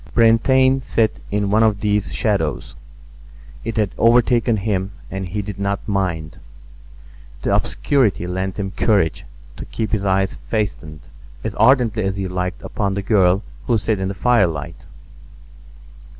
Brantain sat in one of these shadows; it had overtaken him and he did not mind. The obscurity lent him courage to keep his eyes fastened as ardently as he liked upon the girl who sat in the firelight.